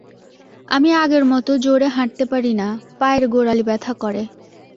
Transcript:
আমি আগের মত জোরে হাঁটতে পারি না, পায়ের গোরালি ব্যথা করে।